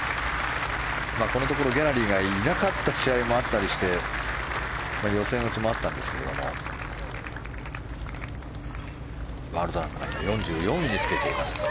ギャラリーがいなかった試合もあったりして予選落ちもあったんですがワールドランクは４４位につけています。